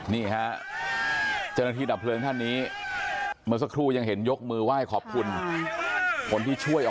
นี่ฮะเจริญที่ดับเพลินท่านนี้เมื่อสักครู่ยังเห็นยกมือไหว้ขอบคุณ